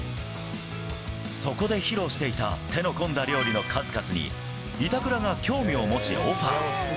そこで披露していた手の込んだ料理の数々に、板倉が興味を持ち、オファー。